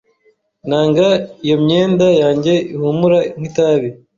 Nanga iyo imyenda yanjye ihumura nkitabi.